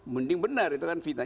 mending benar itu kan fitnah